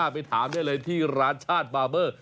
ไปถามได้เลยที่ร้านชาติบาเบอร์